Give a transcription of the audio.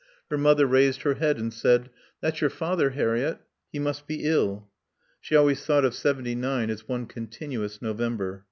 Her mother raised her head and said, "That's your father, Harriett. He must be ill." She always thought of seventy nine as one continuous November.